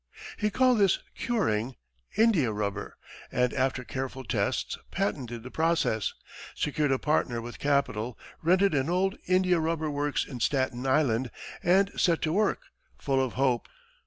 He called this "curing" India rubber, and after careful tests, patented the process, secured a partner with capital, rented an old India rubber works on Staten Island, and set to work, full of hope.